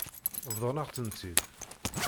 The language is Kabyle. Bḍan-aɣ-tent-id.